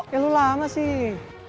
ya lu lama sih